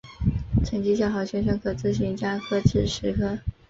成绩较好学生可自行加科至十科。